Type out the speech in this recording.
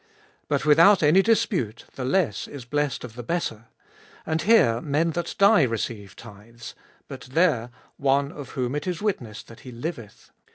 7. But without any dispute the less is blessed of the better. 8. And here men that die receive tithes ; but there one, of whom it is witnessed that he liveth.